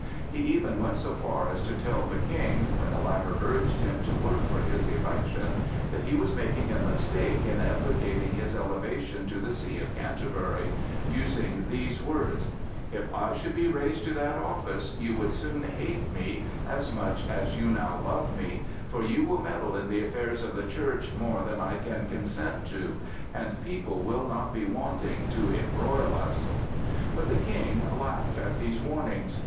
He even went so far as to tell the King, when the latter urged him to work for his election, that he was making a mistake in advocating his elevation to the See of Canterbury, using these words: "If I should be raised to that office, you would soon hate me as much as you now love me; for you will meddle in the affairs of the Church more than I can consent to, and people will not be wanting to embroil us." But the King laughed at these warnings.